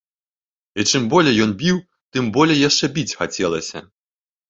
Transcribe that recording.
І чым болей ён біў, тым болей яшчэ біць хацелася.